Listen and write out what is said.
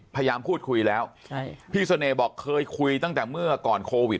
พยายามพูดคุยแล้วใช่พี่เสน่ห์บอกเคยคุยตั้งแต่เมื่อก่อนโควิด